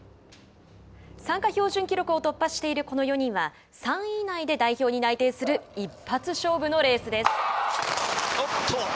参加標準記録を突破しているこの４人は３位以内で代表に内定する一発勝負のレースです。